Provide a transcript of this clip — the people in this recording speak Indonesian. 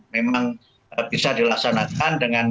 memang bisa dilaksanakan dengan